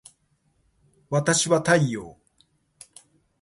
わたしは太陽